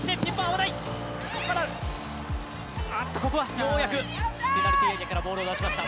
ようやくペナルティーエリアからボールを出しました。